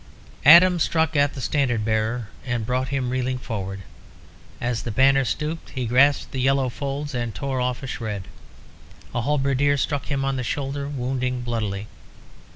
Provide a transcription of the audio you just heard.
Adam struck at the standard bearer and brought him reeling forward. As the banner stooped, he grasped the yellow folds and tore off a shred. A halberdier struck him on the shoulder, wounding bloodily.